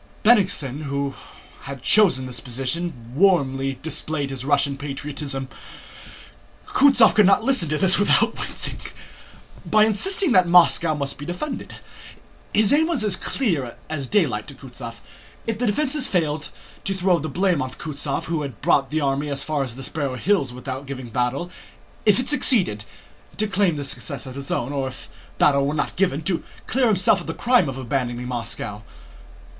Bennigsen, who had chosen the position, warmly displayed his Russian patriotism (Kutúzov could not listen to this without wincing) by insisting that Moscow must be defended. His aim was as clear as daylight to Kutúzov: if the defense failed, to throw the blame on Kutúzov who had brought the army as far as the Sparrow Hills without giving battle; if it succeeded, to claim the success as his own; or if battle were not given, to clear himself of the crime of abandoning Moscow.